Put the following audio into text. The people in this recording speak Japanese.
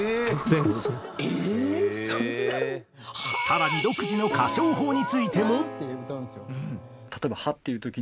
更に独自の歌唱法についても。